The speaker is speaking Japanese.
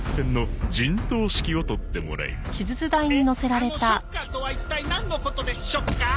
あのショッカーとは一体なんのことでショッカー？